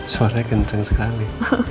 suaranya kenceng sekali